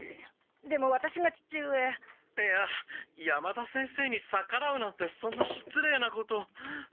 でもワタシが父上いや山田先生にさからうなんてそんなしつれいなこと。